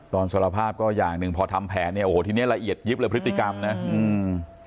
สารภาพก็อย่างหนึ่งพอทำแผนเนี่ยโอ้โหทีเนี้ยละเอียดยิบเลยพฤติกรรมนะอืม